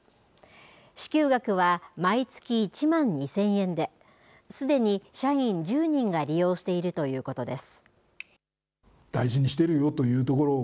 支給額は毎月１万２０００円で、すでに社員１０人が利用しているということです。